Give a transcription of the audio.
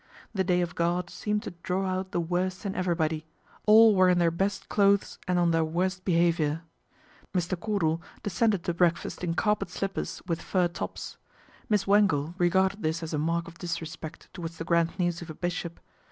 The day of God seemed to draw out the worst in everybody ; all were in their best clothes and on their worst behaviour. Mr. Cordal de scended to breakfast in carpet slippers with fur tops. Miss Wangle regarded this as a mark of disrespect towards the grand niece of a bishop.